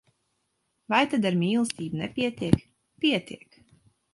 Vai tad ar mīlestību nepietiek? Pietiek!